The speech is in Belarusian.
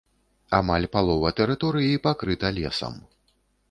Амаль палова тэрыторыі пакрыта лесам.